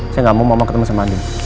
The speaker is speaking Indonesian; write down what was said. saya gak mau mama ketemu sama andin